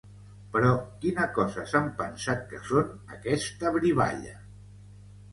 Però quina cosa s'han pensat que són, aquesta brivalla?